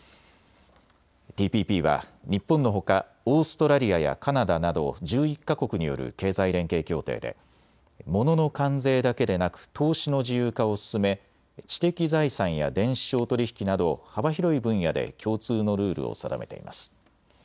ＴＰＰは日本のほかオーストラリアやカナダなど１１か国による経済連携協定でモノの関税だけでなく投資の自由化を進め知的財産や電子商取引など幅広い分野で共通のルールを定めています。